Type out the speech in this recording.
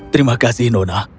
terima kasih nona